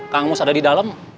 kang mus ada di dalam